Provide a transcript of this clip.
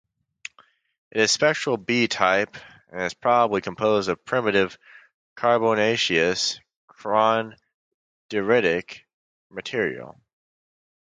It is spectral B-type and is probably composed of primitive carbonaceous chondritic material.